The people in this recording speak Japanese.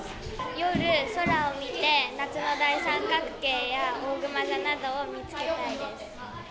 夜、空を見て、夏の大三角形やおおぐま座などを見つけたいです。